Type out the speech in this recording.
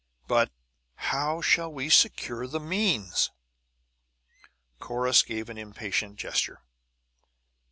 But how shall we secure the means?" Corrus gave an impatient gesture.